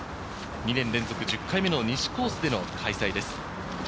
２年連続１０回目の西コースでの開催です。